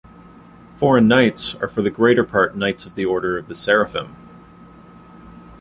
Foreign Knights are for the greater part Knights of the Order of the Seraphim.